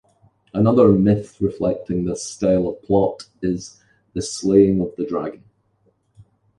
Another myth reflecting this style of plot is The Slaying of the Dragon.